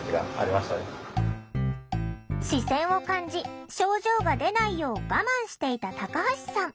視線を感じ症状が出ないよう我慢していたタカハシさん。